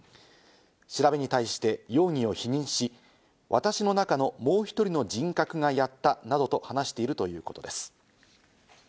調べに対して容疑を否認し、私の中のもう１人の人格がやったなどと話しているということです。